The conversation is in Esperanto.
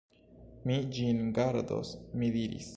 Mi ĝin gardos, mi diris.